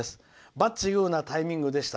バッチグーなタイミングでした。